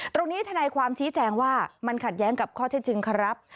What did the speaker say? ทนายความชี้แจงว่ามันขัดแย้งกับข้อเท็จจริงครับ